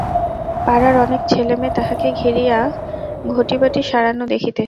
পাড়ার অনেক ছেলেমেয়ে তাহাকে ঘিরিয়া ঘটিবাটি সারানো দেখিতেছে।